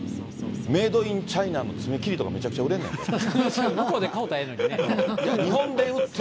メード・イン・チャイナの爪切りとかめちゃくちゃ売れるんやって。